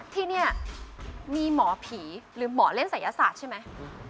ที่นี่มีหมอผีหรือหมอเล่นศัยศาสตร์ใช่ไหม